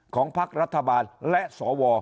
ของภาครัฐบาลและสว